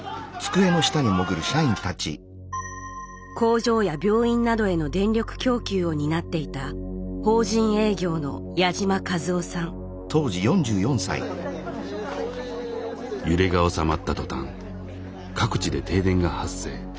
工場や病院などへの電力供給を担っていた揺れが収まった途端各地で停電が発生。